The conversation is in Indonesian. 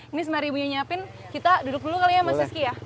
ini sembilan ribu nyiapin kita duduk dulu kali ya mas rizky ya